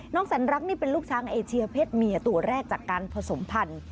สันรักนี่เป็นลูกช้างเอเชียเพศเมียตัวแรกจากการผสมพันธุ์